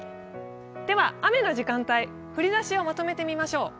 雨の時間帯、降りだしをまとめてみましょう。